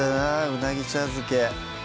「うなぎ茶漬け」